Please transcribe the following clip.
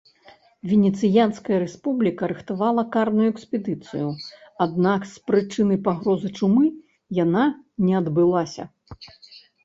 Венецыянская рэспубліка рыхтавала карную экспедыцыю, аднак з прычыны пагрозы чумы яна не адбылася.